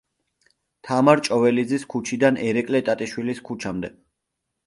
თამარ ჭოველიძის ქუჩიდან ერეკლე ტატიშვილის ქუჩამდე.